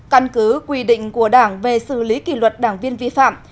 căn cứ quy định của đảng về xử lý kỷ luật đảng viên vi phạm